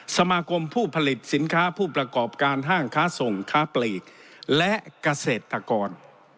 สมาคมผู้ผลิตสินค้าผู้ประกอบการห้างค้าส่งค้าปลีกและเกษตรกร